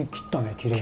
きれいに。